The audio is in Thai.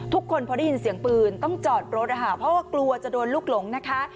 ทุกคนพอได้ยินเสียงปืนต้องจอดรถนะคะเพราะว่ากลัวจะโดนลูกหลงนะคะ